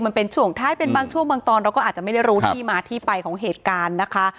มันเป็นช่วงท้ายเป็นบางช่วงบางตอนเราก็อาจจะไม่ได้รู้ที่มาที่ไปของเหตุการณ์นะคะ